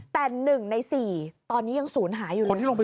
แต่๑ใน๔ตอนนี้ยังศูนย์หายอยู่เลย